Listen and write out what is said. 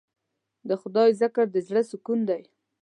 د خدای ذکر د زړه سکون دی.